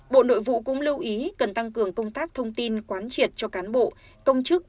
bộ nội vụ cũng lưu ý cần tăng cường công tác thông tin quán triệt cho cán bộ công chức